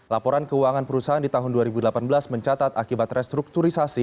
laporan keuangan perusahaan di tahun dua ribu delapan belas mencatat akibat restrukturisasi